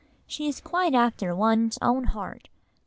She is quite after one's own heart.